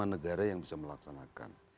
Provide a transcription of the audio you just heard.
baru lima negara yang bisa melaksanakan